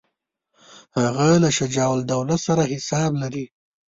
هغه له شجاع الدوله سره حساب لري.